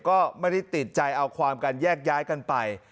ก็ไม่ได้ติดใจเอาความกันแยกย้ายกันไป